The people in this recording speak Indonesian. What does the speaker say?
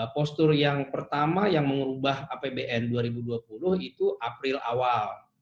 postur yang pertama yang mengubah apbn dua ribu dua puluh itu april awal